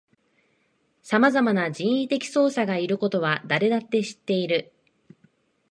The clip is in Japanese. さまざまな人為的操作がいることは誰だって知っている